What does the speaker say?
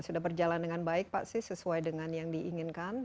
sudah berjalan dengan baik pak sih sesuai dengan yang diinginkan